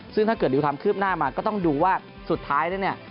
ซึ่งถ้าเกิดดูความคืบหน้ามาก็ต้องดูว่าสุดท้ายแล้วเนี่ย